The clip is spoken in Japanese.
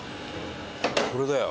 これだよ。